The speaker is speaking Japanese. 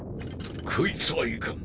こいつはいかん。